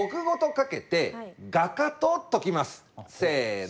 せの！